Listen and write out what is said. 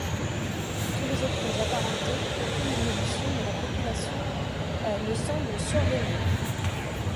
Pour tous les autres apparentés, aucune inhibition de la copulation ne semble survenir.